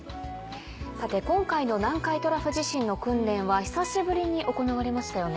今回の南海トラフ地震の訓練は久しぶりに行われましたよね？